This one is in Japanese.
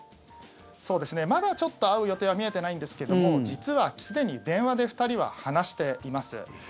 まだちょっと会う予定は見えていないんですけども実はすでに電話で２人は話しています。